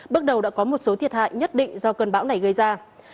bước đầu đã có một số thiệt hại nhất định do cơn bão này gây ra